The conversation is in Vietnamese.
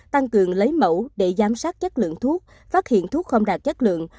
tăng cường lấy mẫu để giám sát chất lượng thuốc phát hiện thuốc không đạt chất lượng